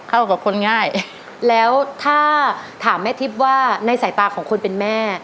เข้ากับคนง่ายแล้วถ้าถามแม่ทิพย์ว่าในสายตาของคนเป็นแม่